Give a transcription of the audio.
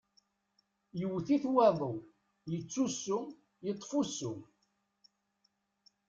Yewwet-it waḍu, yettusu, yeṭṭef ussu.